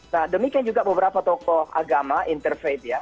nah demikian juga beberapa tokoh agama interfait ya